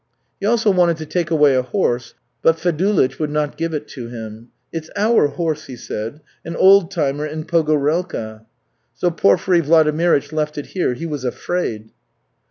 He also wanted to take away a horse, but Fedulych would not give it to him. 'It's our horse,' he said, 'an old timer in Pogorelka.' So Porfiry Vladimirych left it here. He was afraid."